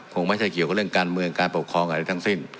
คงไม่ใช่เกี่ยวกับเรื่องการเมืองการปกครองอะไรทั้งสิ้น